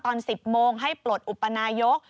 ตอน๑๐โมงให้ปลดอุปนายก